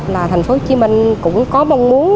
là thành phố hồ chí minh cũng có mong muốn